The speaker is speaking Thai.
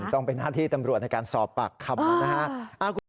ต้องเป็นหน้าที่ตำรวจในการสอบปากครับคุณผู้ชม